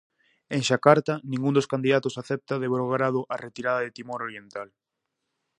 En Xacarta ningún dos candidatos acepta de bo grado a retirada de Timor Oriental.